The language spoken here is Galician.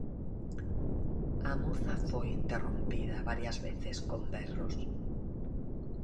A moza foi interrompida varias veces con berros.